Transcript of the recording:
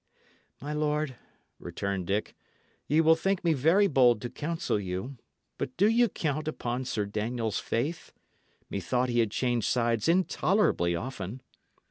"My lord," returned Dick, "ye will think me very bold to counsel you; but do ye count upon Sir Daniel's faith? Methought he had changed sides intolerably often."